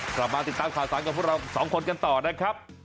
กลับมาติดตามท่าสารกับผู้เรา๒คนกับกันต่อนะครับ